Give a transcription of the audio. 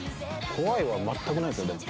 怖いは全くないですよ。